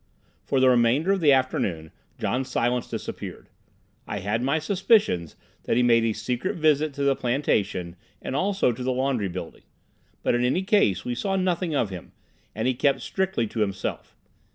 For the remainder of the afternoon John Silence disappeared. I had my suspicions that he made a secret visit to the plantation and also to the laundry building; but, in any case, we saw nothing of him, and he kept strictly to himself.